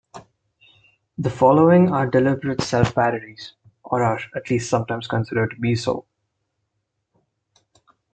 The following are deliberate self-parodies or are at least sometimes considered to be so.